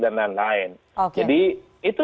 dan lain lain jadi itu